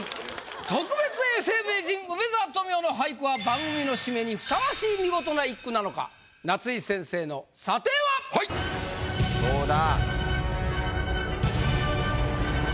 特別永世名人梅沢富美男の俳句は番組の締めにふさわしい見事な一句なのか⁉夏井先生の査定は⁉どうだ？